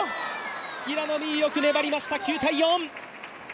平野美宇、よく粘りました９−４。